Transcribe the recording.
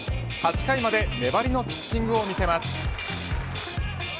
８回まで粘りのピッチングを見せます。